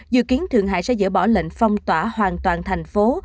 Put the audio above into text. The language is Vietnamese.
dự kiến thượng hải sẽ dỡ bỏ lệnh phong tỏa hoàn toàn thành phố